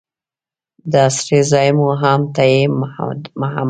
د اسرې ځای مو هم ته یې محمده.